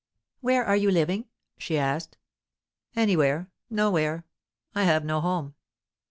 "Where are you living?" she asked. "Anywhere; nowhere. I have no home."